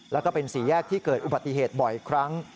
แล้วก็เป็นสี่แยกที่เกิดอุบัติเหตุบ่อยครั้ง